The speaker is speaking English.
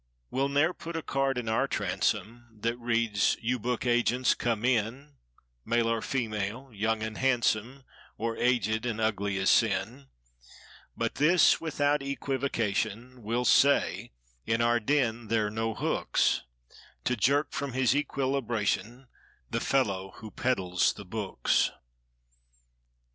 We'll ne'er put a card in our transom That reads—"You book agents, come in— Male or female—young and handsome— Or, aged and ugly as sin." But this—without equivocation. We'll say: in our den there're no hooks To jerk from his equilibration The fellow who peddles the books.